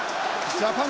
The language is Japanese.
ジャパン！